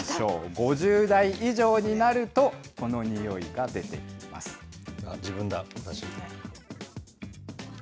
５０代以上になるとこのにおいが自分だ、私。